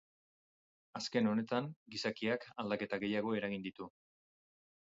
Azken honetan gizakiak aldaketa gehiago eragin ditu.